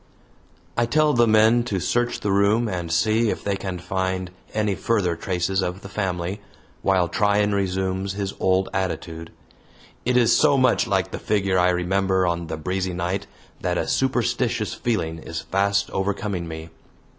I tell the men to search the room and see if they can find any further traces of the family, while Tryan resumes his old attitude. It is so much like the figure I remember on the breezy night that a superstitious feeling is fast overcoming me.